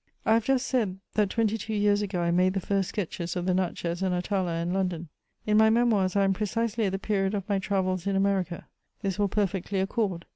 I have just said, that twenty two years ago I made the first sketches of the Natchez and Atala in London ; in my Memoirs I am precisely at the period of my travels in America ; this will perfectly accord.